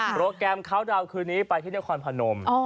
โปรแกรมเขาดาวน์คืนนี้ไปที่นครพนม